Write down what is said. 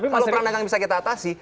kalau perang dagang bisa kita atasi